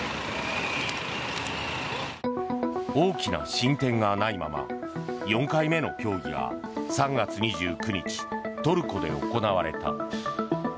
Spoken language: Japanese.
大きな進展がないまま４回目の協議が３月２９日、トルコで行われた。